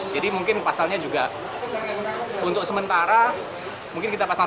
jadi mungkin pasalnya juga untuk sementara mungkin kita pasang tiga ratus empat puluh